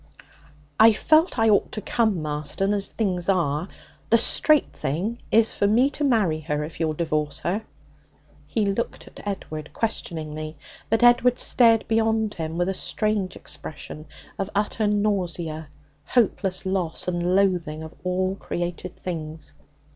'I felt I ought to come, Marston. As things are, the straight thing is for me to marry her if you'll divorce her.' He looked at Edward questioningly, but Edward stared beyond him with a strange expression of utter nausea, hopeless loss, and loathing of all created things.